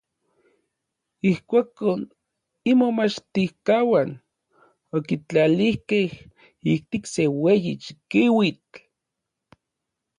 Ijkuakon imomachtijkauan okitlalijkej ijtik se ueyi chikiuitl.